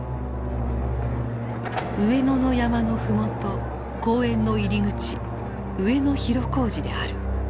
上野の山の麓公園の入り口上野広小路である。